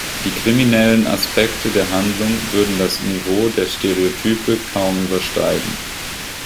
Die kriminellen Aspekte der Handlung würden das Niveau der Stereotype kaum übersteigen.